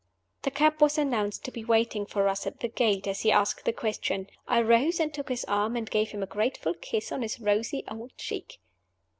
The cab was announced to be waiting for us at the gate as he asked the question. I rose and took his arm, and gave him a grateful kiss on his rosy old cheek.